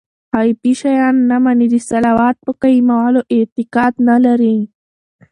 غيبي شيان نه مني، د صلوة په قائمولو اعتقاد نه لري